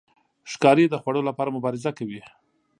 ښکاري د خوړو لپاره مبارزه کوي.